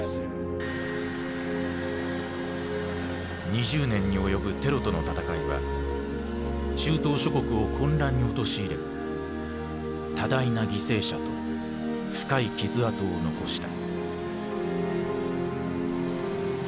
２０年に及ぶ「テロとの戦い」は中東諸国を混乱に陥れ多大な犠牲者と深い傷痕を残した。